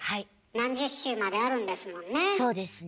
何十週まであるんですもんね。